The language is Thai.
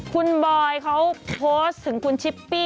คุณบอยเขาโพสต์ถึงคุณชิปปี้